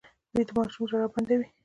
ویده ماشوم ژړا بنده وي